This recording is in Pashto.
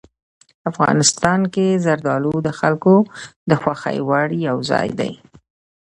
افغانستان کې زردالو د خلکو د خوښې وړ یو ځای دی.